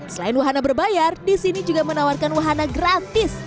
selain wahana berbayar disini juga menawarkan wahana gratis